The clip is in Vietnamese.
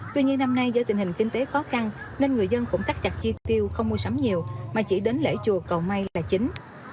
tuy nhiên năm nay do tình hình kinh tế khó khăn nên người dân cũng thắt chặt chi tiêu không mua sắm nhiều mà chỉ đến lễ chùa cầu may là chính